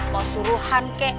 mau suruhan kek